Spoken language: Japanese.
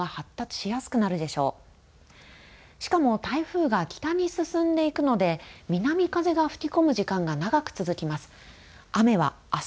しかも台風が北に進んでいくので南風が吹き込む時間が長く続きます。